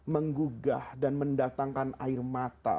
menggugah dan mendatangkan air mata